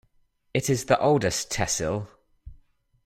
It is the oldest tehsil.